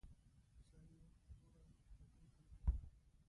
سر یې په توره پټۍ تړلی.